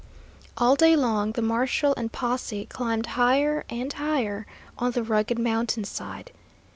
All day long the marshal and posse climbed higher and higher on the rugged mountainside.